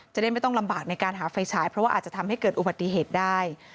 จะได้ไม่ต้องลำบากในการหาไฟฉายเพราะว่าอาจจะทำให้เกิดอุบัติเหตุได้